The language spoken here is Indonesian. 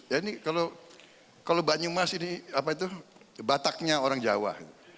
ya ini kalau banyumas ini apa itu bataknya orang jawa